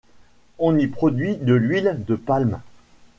On y produit de l'huile de palme.